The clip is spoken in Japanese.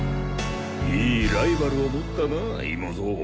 いいライバルを持ったな井茂三。